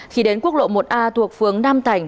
khi đến quốc lộ một a thuộc phường nam thành